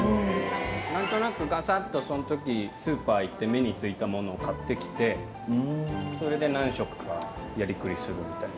なんとなくがさっとそのときスーパー行って目に付いたものを買ってきてそれで何食かやりくりするみたいな。